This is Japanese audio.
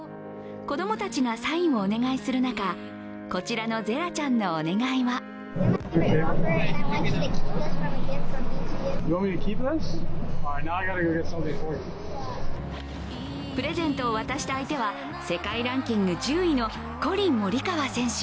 子供たちがサインをお願いする中、こちらのゼラちゃんのお願いはプレゼントを渡した相手は世界ランキング１０位のコリン・モリカワ選手。